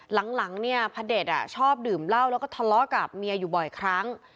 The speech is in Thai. หลังเนี่ยพระเด็จชอบดื่มเหล้าแล้วก็ทะเลาะกับเมียอยู่บ่อยครั้ง